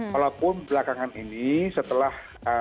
walaupun belakangan ini setelah